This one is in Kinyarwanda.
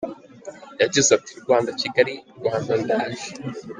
Yagize ati” Rwanda Kigali, Rwanda, ndaje…”.